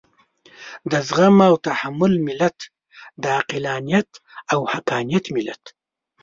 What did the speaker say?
د زغم او تحمل ملت، د عقلانيت او حقانيت ملت.